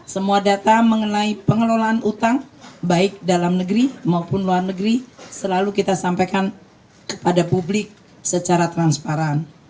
semua data mengenai pengelolaan utang baik dalam negeri maupun luar negeri selalu kita sampaikan kepada publik secara transparan